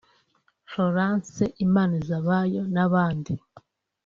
Florence Imanizabayo n’abandi